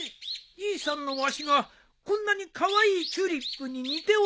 じいさんのわしがこんなにカワイイチューリップに似ておるか？